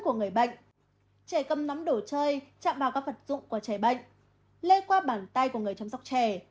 trẻ cầm nắm đồ chơi chạm vào các vật dụng của trẻ bệnh lây qua bàn tay của người chăm sóc trẻ